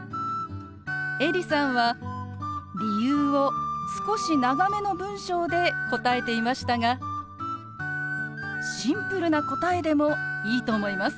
エリさんは理由を少し長めの文章で答えていましたがシンプルな答えでもいいと思います。